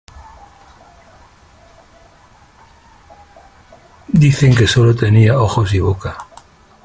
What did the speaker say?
Dicen que solo tenía ojos y boca.